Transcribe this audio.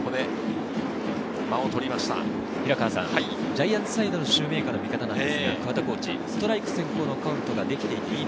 ジャイアンツサイドのシューメーカーの見方は、桑田コーチ、ストライク先行のカウントができていていい。